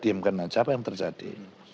diamkan saja apa yang terjadi